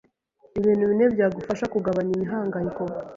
Ibintu bine byagufasha kugabanya imihangayiko